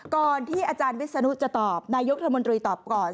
ก่อนที่อาจารย์วิศนุจะตอบนายกรัฐมนตรีตอบก่อน